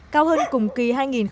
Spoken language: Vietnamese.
cao hơn cùng kỳ hai nghìn một mươi bảy